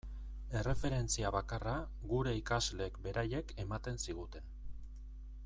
Erreferentzia bakarra gure ikasleek beraiek ematen ziguten.